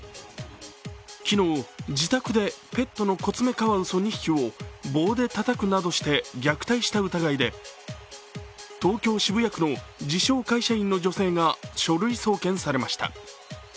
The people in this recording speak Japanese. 昨日、自宅でペットのコツメカワウソ２匹を棒でたたくなどして虐待した疑いで東京・渋谷区の自称・会社員の女性が書類送検されました。